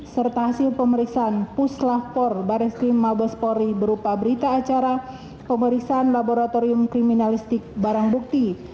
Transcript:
serta hasil pemeriksaan puslah por bareng skrim mabespori berupa berita acara pemeriksaan laboratorium kriminalisik bareng bukti